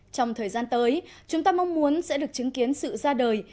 trong thời gian tới chúng ta mong muốn sẽ được chứng kiến sự ra đời